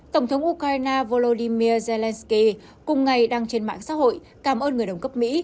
tổng thống ukraine volodymyr zelensky cùng ngày đăng trên mạng xã hội cảm ơn người đồng cấp mỹ